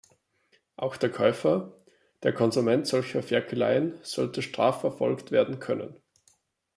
Auch der Käufer, der Konsument solcher Ferkeleien sollte strafverfolgt werden können.